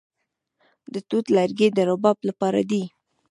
د توت لرګي د رباب لپاره دي.